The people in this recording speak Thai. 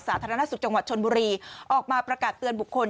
สาธารณสุขจังหวัดชนบุรีออกมาประกาศเตือนบุคคล